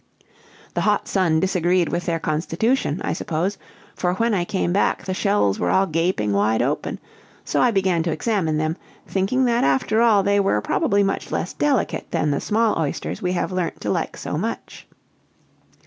"The hot sun disagreed with their constitution, I suppose; for when I came back the shells were all gaping wide open; so I began to examine them, thinking that after all they were probably much less delicate than the small oysters we have learnt to like so much.